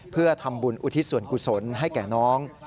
เพื่อทำบุญอุทิศส่วนกุศลให้แก่น้อง